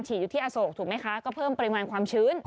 อยู่ที่อโศกถูกไหมคะก็เพิ่มปริมาณความชื้น